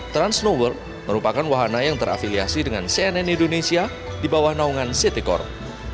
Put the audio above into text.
transnoworld merupakan wahana yang terafiliasi dengan cnn indonesia di bawah naungan ct corp